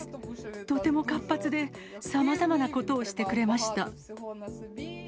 とても活発で、さまざまなことをしてくれました。